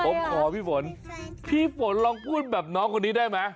ผมขอพี่ฝนพี่ฝนลองพูดแบบน้องคนนี้ได้ไหม